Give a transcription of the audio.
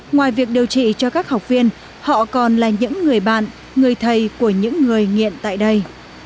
ngoài việc điều trị cho các học viên họ còn là những người bạn người thầy của những người nghiện tại đây